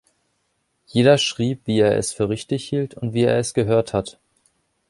Jeder schrieb, wie er es für richtig hielt und wie er es gehört hat.